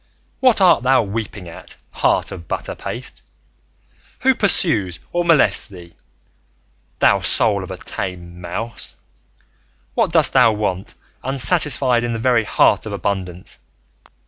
What art thou weeping at, heart of butter paste? Who pursues or molests thee, thou soul of a tame mouse? What dost thou want, unsatisfied in the very heart of abundance?